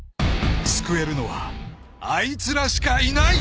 ［救えるのはあいつらしかいない！］